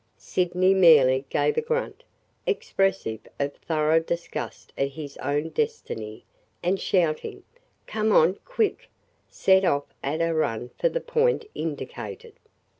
Sydney merely gave a grunt, expressive of thorough disgust at his own density, and shouting, "Come on – quick!" set off at a run for the point indicated.